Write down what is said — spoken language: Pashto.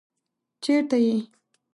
چېرته يې؟